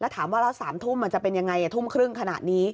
แล้วถามว่าเราสามทุ่มมันจะเป็นอย่างไรทุ่มครึ่งขนาดนี้